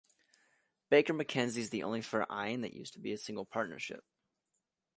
Baker McKenzie is the only Verein that used to be a single partnership.